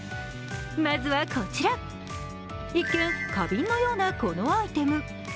まずはこちら、一見、花瓶のようなこのアイテム。